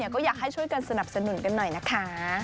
ก็อยากให้ช่วยกันสนับสนุนกันหน่อยนะคะ